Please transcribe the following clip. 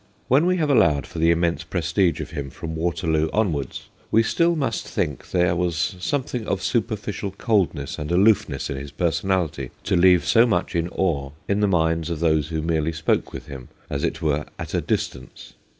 When we have allowed for the immense prestige of him from Waterloo onwards, we still must think there was something of superficial coldness and aloofness in his personality to leave so much awe in the minds of those who merely spoke with him, as it were, at a distance.